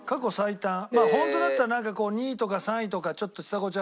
本当だったらなんかこう２位とか３位とかちょっとちさ子ちゃん